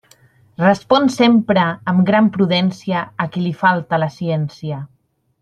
Respon sempre amb gran prudència a qui li falta la ciència.